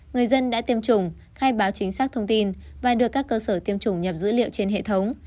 người dân đã tiêm chủng khai báo chính xác thông tin và được các cơ sở tiêm chủng nhập dữ liệu trên hệ thống